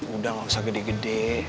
udah gak usah gede gede